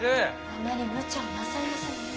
あまりむちゃをなさいませぬよう。